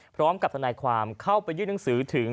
พร้อมกับทนายความเข้าไปยื่นหนังสือถึง